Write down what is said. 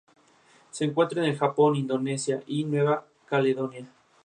Se encuentra en el Japón, Indonesia y Nueva Caledonia.